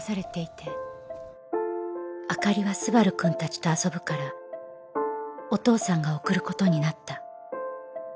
朱莉は昴くんたちと遊ぶからお父さんが送る事になった。